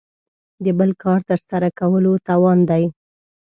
د بل کار تر سره کولو توان دی.